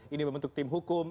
ini membentuk tim hukum